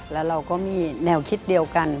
แล้วเราก็มีแนวคิดเดียวกัน